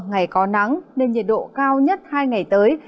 ngày có nắng nên nhiệt độ cao nhất hai ngày tới